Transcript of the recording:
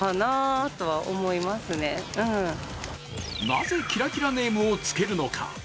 なぜキラキラネームをつけるのか。